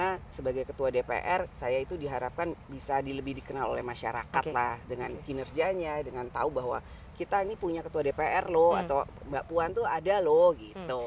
karena sebagai ketua dpr saya itu diharapkan bisa lebih dikenal oleh masyarakat lah dengan kinerjanya dengan tahu bahwa kita ini punya ketua dpr loh atau mbak puan tuh ada loh gitu